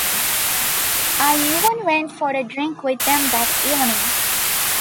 I even went for a drink with them that evening.